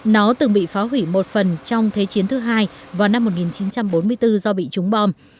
nó từng bị phá hủy một phần trong thế chiến thứ hai vào năm một nghìn chín trăm bốn mươi bốn do bị trúng bom